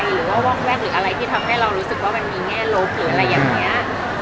ลงจุดรายละเอียดความรู้สึกในใจทั้งนั้น